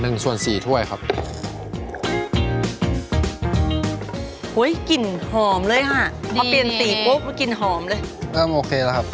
ฟุ้งภาษ์อีกรอบนึงใช่ไหมครับ